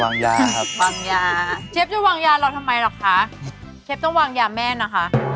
วางยาครับวางยาเชฟจะวางยาเราทำไมหรอกคะเชฟต้องวางยาแม่นะคะ